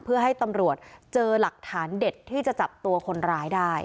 เพื่อให้ตำรวจเจอหลักฐานเด็ดที่จะจับตัวคนร้ายได้